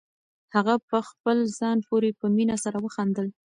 هغه په خپل ځان پورې په مینه سره وخندل.